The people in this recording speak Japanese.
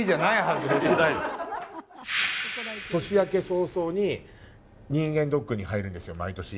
年明け早々に、人間ドックに入るんですよ、毎年。